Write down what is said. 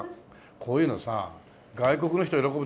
こういうのさ外国の人喜ぶでしょう？